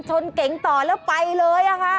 เก๋งต่อแล้วไปเลยค่ะ